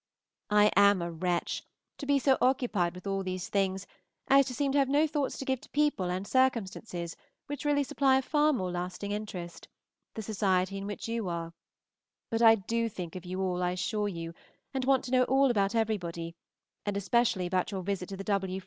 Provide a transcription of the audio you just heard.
I am a wretch, to be so occupied with all these things as to seem to have no thoughts to give to people and circumstances which really supply a far more lasting interest, the society in which you are; but I do think of you all, I assure you, and want to know all about everybody, and especially about your visit to the W.